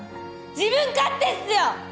自分勝手っすよ！